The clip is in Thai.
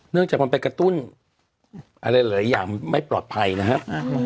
จากมันไปกระตุ้นอะไรหลายอย่างไม่ปลอดภัยนะครับ